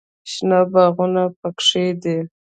شنه باغونه پکښې دي.